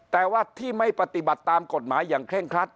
แต่ว่าที่ไม่ปฏิบัติตามกฎหมายอย่างเคร่งครัด